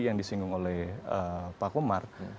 yang disinggung oleh pak komar